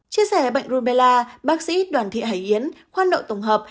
chia sẻ bệnh rubella bác sĩ đoàn thị hải yến khoan nội tổng hợp